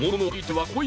はい。